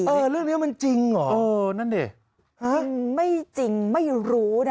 เออเรื่องนี้มันจริงเหรอเออนั่นดิจริงไม่จริงไม่รู้นะ